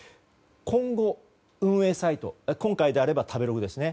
今後、運営サイト今回であれば食べログですね。